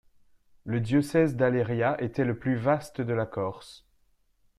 Le diocèse d'Aléria était le plus vaste de la Corse.